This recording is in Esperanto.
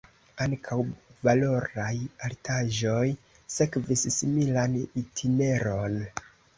Ankaŭ valoraj artaĵoj sekvis similan itineron.